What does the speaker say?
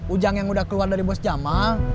ujang yang udah keluar dari bos jamal